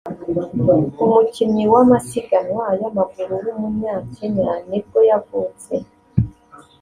umukinnyi w’amasiganwa y’amaguru w’umunyakenya ni bwo yavutse